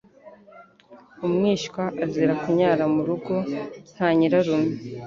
Umwishywa azira kunyara mu rugo kwa Nyirarume,